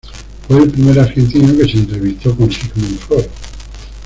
Fue el primer argentino que se entrevistó con Sigmund Freud.